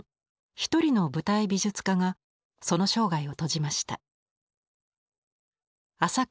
一人の舞台美術家がその生涯を閉じました。